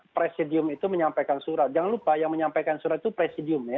presidium itu menyampaikan surat jangan lupa yang menyampaikan surat itu presidium ya